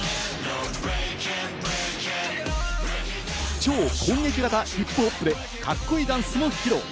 超攻撃型ＨＩＰ−ＨＯＰでかっこいいダンスも披露。